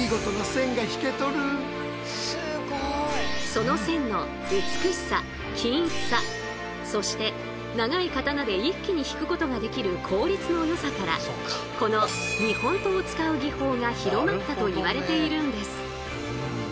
その線の美しさ均一さそして長い刀で一気に引くことができる効率のよさからこの日本刀を使う技法が広まったといわれているんです。